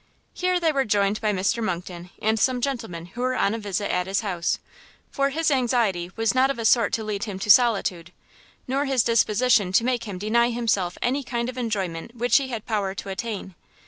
Here they were joined by Mr Monckton and some gentlemen who were on a visit at his house; for his anxiety was not of a sort to lead him to solitude, nor his disposition to make him deny himself any kind of enjoyment which he had power to attain.